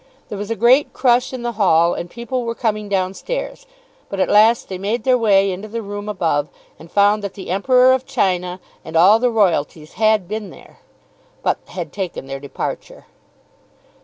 There was a great crush in the hall, and people were coming down stairs. But at last they made their way into the room above, and found that the Emperor of China and all the Royalties had been there, but had taken their departure.